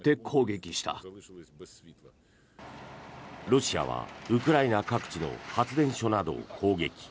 ロシアはウクライナ各地の発電所などを攻撃。